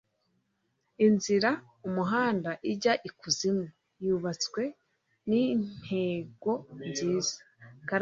inzira (umuhanda) ijya ikuzimu yubatswe nintego nziza.